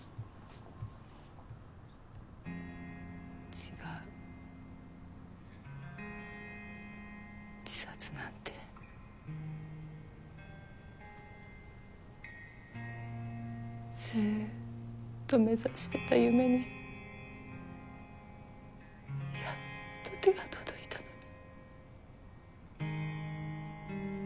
ちがう自殺なんてずっと目指してた夢にやっと手が届いたのに。